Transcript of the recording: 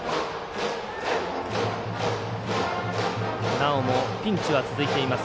なおもピンチは続いています。